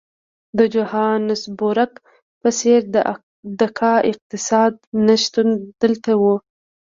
د جوهانسبورګ په څېر د کا اقتصاد نه شتون دلته وو.